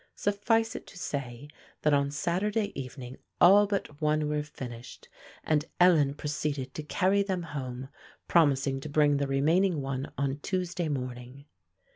Suffice it to say that on Saturday evening all but one were finished, and Ellen proceeded to carry them home, promising to bring the remaining one on Tuesday morning.